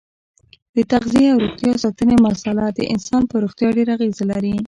د تغذیې او روغتیا ساتنې مساله د انسان په روغتیا ډېره اغیزه لري.